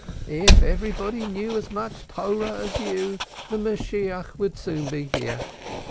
"If everybody knew as much Térah as you, the Messiah would soon be here.